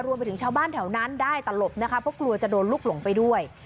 ไปถึงชาวบ้านแถวนั้นได้ตลบนะคะเพราะกลัวจะโดนลูกหลงไปด้วย